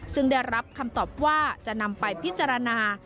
ซึ่งได้รับคำตอบว่าจะนำไปพิจารณา